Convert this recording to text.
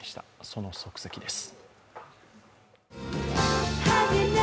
その足跡です。